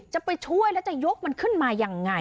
จะไปช่วยแล้วจะยกมันขึ้นมายังไง